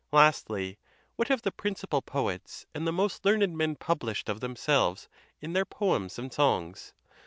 Lastly, what have the principal poets and the most learned men published of themselves in their poems and songs?